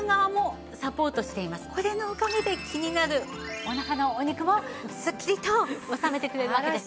これのおかげで気になるお腹のお肉もすっきりと収めてくれるわけです。